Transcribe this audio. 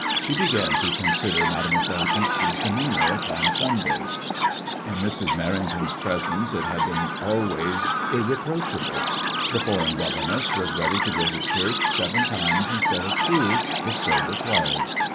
She began to consider Made moiselle Ixe's demeanour upon Sundays. In Mrs. Merrington's presence it had been always irreproach able. The foreign governess was ready to go to church seven times instead of two, if so re quired.